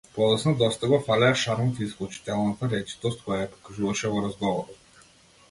Подоцна доста го фалеа шармот и исклучителната речитост која ја покажуваше во разговорот.